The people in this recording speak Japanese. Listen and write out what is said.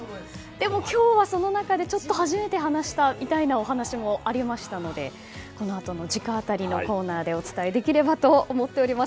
でも、今日はその中で、ちょっと初めて話したみたいなこともありましたのでこのあとの直アタリのコーナーでお伝えできればと思っています。